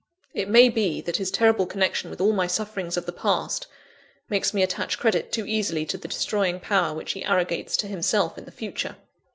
It may be, that his terrible connection with all my sufferings of the past, makes me attach credit too easily to the destroying power which he arrogates to himself in the future.